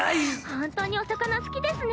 本当にお魚好きですね。